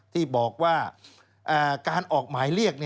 ที่บอกว่าการออกหมายเรียก